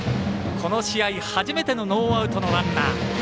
この試合初めてのノーアウトのランナー。